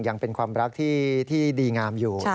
ยังเป็นความรักที่ดีงามอยู่